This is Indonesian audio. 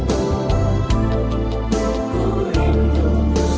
aku rindu selalu menyenangkanku